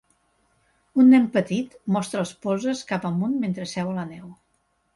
Un nen petit mostra els polzes cap amunt mentre seu a la neu.